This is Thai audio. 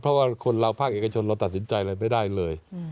เพราะว่าคนเราภาคเอกชนเราตัดสินใจอะไรไม่ได้เลย